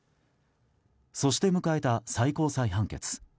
そして迎えた最高裁判決。